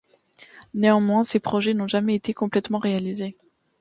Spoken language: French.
Néanmoins, ces projets n'ont jamais été complètement réalisées.